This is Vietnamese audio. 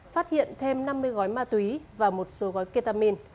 phát hiện thêm năm mươi gói ma túy và một số gói ketamin